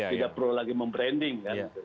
tidak perlu lagi membranding kan